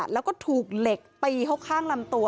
แล้วก็ถูกเหล็กตีเข้าข้างลำตัว